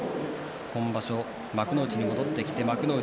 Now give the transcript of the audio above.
今場所幕内に戻ってきて幕内